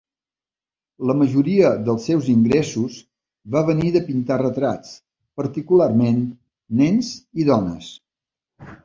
La majoria dels seus ingressos va venir de pintar retrats, particularment nens i dones.